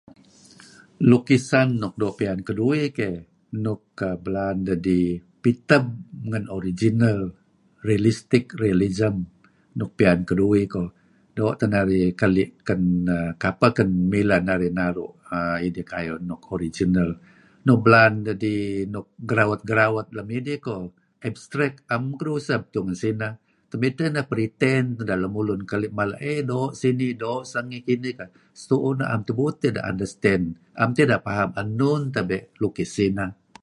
Lukisan nuk doo' piyan keduih keh nuk belaan dedih piteb ngan original realistic realism nuk piyan keduih koh doo' teh narih keli' kan kapeh kan mileh narih naru' err idih kuayu nuk original . Nuk belaan dedih nuk gerawet-gerawet lem idih koh abstract am keduih useb tu'uh ngan sinah. Temidteh dih neh pretend teh lemulun mala eh doo' sinih doo' sengih setu'uh na'em tebe' idah understand am tidah paham enun tebe' lukis sinah.